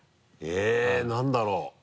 えっ何だろう？